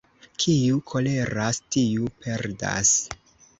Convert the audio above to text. Kiu koleras, tiu perdas.